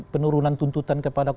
penurunan tuntutan kepada kuhp